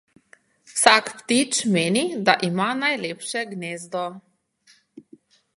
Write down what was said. Vsak ptič meni, da ima najlepše gnezdo.